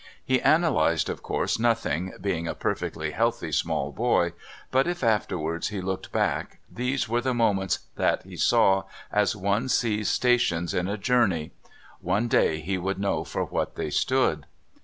He analysed, of course, nothing, being a perfectly healthy small boy, but if afterwards he looked back these were the moments that he saw as one sees stations on a journey. One day he would know for what they stood.